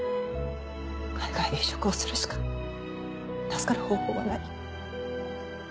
海外で移植をするしか助かる方法はない。